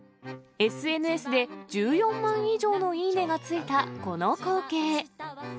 ＳＮＳで１４万以上のいいねがついた、この光景。